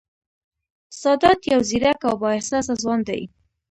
سادات یو ځېرک او با احساسه ځوان دی